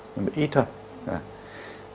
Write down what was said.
nhưng mà ít thôi